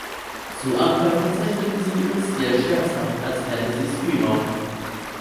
Zu Anfang bezeichneten sie ihren Stil scherzhaft als „Fantasy Screamo“.